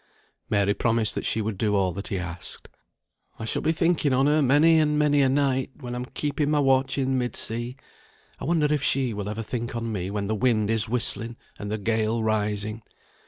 Mary promised that she would do all that he asked. "I shall be thinking on her many and many a night, when I'm keeping my watch in mid sea; I wonder if she will ever think on me when the wind is whistling, and the gale rising.